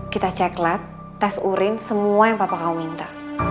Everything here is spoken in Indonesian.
kita cek lab tes urin semua yang bapak kamu minta